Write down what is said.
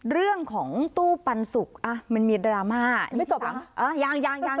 เรื่องของตู้ปันสุกอ่ะมันมีดราม่ายังไม่จบเหรอยังยัง